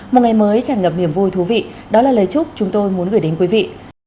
một ngày mới tràn ngập niềm vui thú vị đó là lời chúc chúng tôi muốn gửi đến quý vị